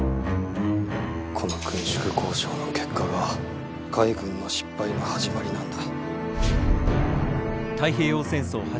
この軍縮交渉の結果が海軍の失敗の始まりなんだ。